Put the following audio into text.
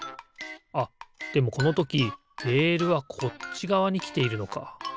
あっでもこのときレールはこっちがわにきているのか。